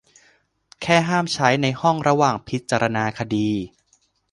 แค่ห้ามใช้ในห้องระหว่างพิจารณาคดี